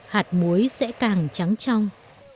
hạt muối sẽ càng trắng trong